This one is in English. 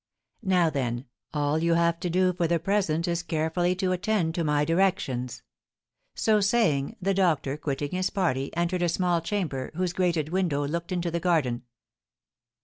Now, then, all you have to do for the present is carefully to attend to my directions." So saying, the doctor, quitting his party, entered a small chamber, whose grated window looked into the garden.